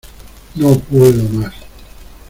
¡ No puedo más!